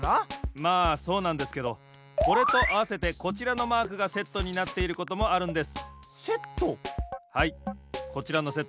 まあそうなんですけどこれとあわせてこちらのマークがセットになっていることもあるんです。セット？